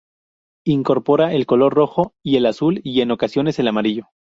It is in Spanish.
Incorpora el color rojo y el azul, y en ocasiones el amarillo.